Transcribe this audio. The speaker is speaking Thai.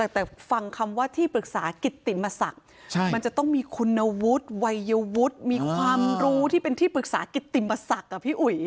แต่ฟังคำว่าที่ปรึกษากิติมศักดิ์มันจะต้องมีคุณวุฒิวัยวุฒิมีความรู้ที่เป็นที่ปรึกษากิติมศักดิ์พี่อุ๋ย